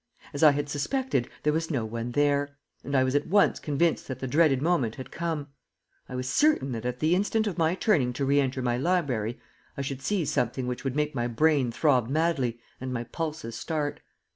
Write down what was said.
As I had suspected, there was no one there, and I was at once convinced that the dreaded moment had come. I was certain that at the instant of my turning to re enter my library I should see something which would make my brain throb madly and my pulses start.